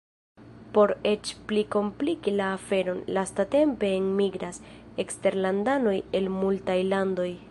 Por eĉ pli kompliki la aferon, lastatempe enmigras eksterlandanoj el multaj landoj.